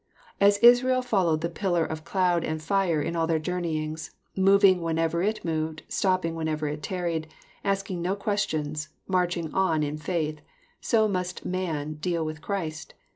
As Israel followed the pillar of cloud and fire in all their jonmeyings— moving whenever it moved, stopping whenever it tarried, asking no qnestions, marching on in faith — so mast a man deal with Christ.